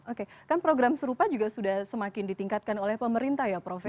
oke kan program serupa juga sudah semakin ditingkatkan oleh pemerintah ya prof